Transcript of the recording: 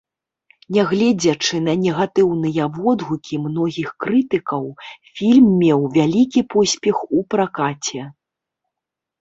Нягледзячы на негатыўныя водгукі многіх крытыкаў, фільм меў вялікі поспех у пракаце.